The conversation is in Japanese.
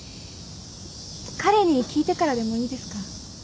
彼に聞いてからでもいいですか？